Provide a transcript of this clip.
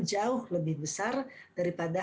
jauh lebih besar daripada